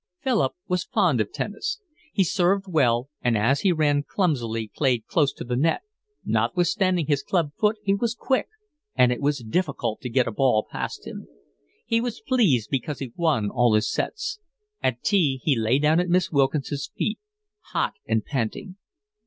Philip was fond of tennis. He served well and as he ran clumsily played close to the net: notwithstanding his club foot he was quick, and it was difficult to get a ball past him. He was pleased because he won all his sets. At tea he lay down at Miss Wilkinson's feet, hot and panting.